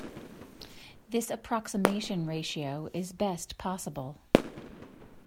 This approximation ratio is best possible.